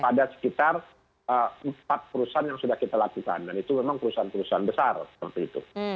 ada sekitar empat perusahaan yang sudah kita lakukan dan itu memang perusahaan perusahaan besar seperti itu